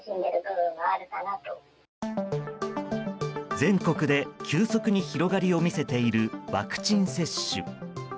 全国で急速に広がりを見せているワクチン接種。